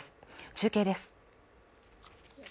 中継です